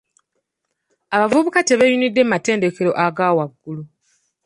Abavubuka tebeeyunidde matendekero aga waggulu.